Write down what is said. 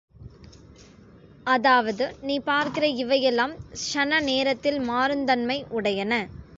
அதாவது நீ பார்க்கிற இவையெல்லாம் க்ஷண நேரத்தில் மாறுந்தன்மை உடையன.